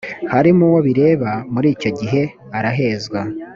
harimo uwo bireba muri icyo gihe arahezwa